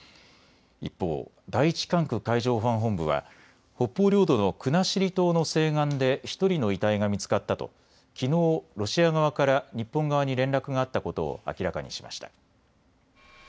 一方、第１管区海上保安本部は北方領土の国後島の西岸で１人の遺体が見つかったときのうロシア側から日本側に連絡があったことを明らかにしました。